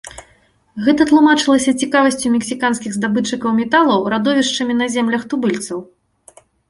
Гэта тлумачылася цікавасцю мексіканскіх здабытчыкаў металаў радовішчамі на землях тубыльцаў.